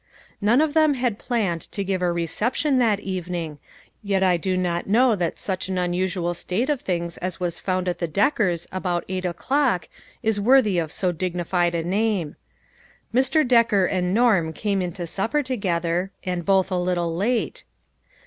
None of them had planned to give a recep tion that evening, yet I do not know but such an unusual state of things as was found at the Deckers about eight o'clock, is worthy of so dignified a name. Mr. Decker and Norm came in to supper together, and both a little late.